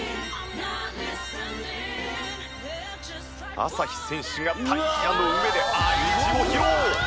朝日選手がタイヤの上でＩ字を披露！